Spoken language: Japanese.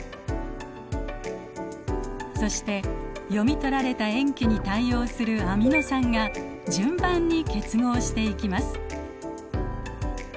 そして読み取られた塩基に対応するアミノ酸が順番に結合していきます。